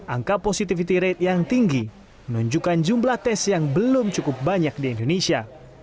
angka positivity rate yang tinggi menunjukkan jumlah tes yang belum cukup banyak di indonesia